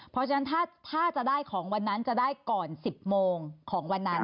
เพราะฉะนั้นถ้าจะได้ของวันนั้นจะได้ก่อน๑๐โมงของวันนั้น